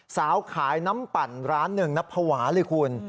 สาวขายน้ำปั่นร้านหนึ่งนะภาวะเลยคุณ